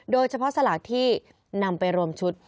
โดยเฉพาะสลากที่นำไปรวมชุด